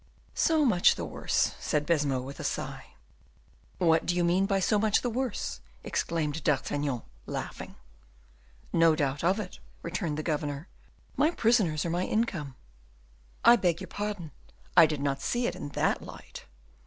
"So much the worse," said Baisemeaux with a sigh. "What do you mean by so much the worse?" exclaimed D'Artagnan, laughing. "No doubt of it," returned the governor, "my prisoners are my income." "I beg your pardon, I did not see it in that light."